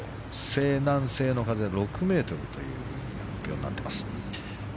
西南西の風６メートルという発表になっています。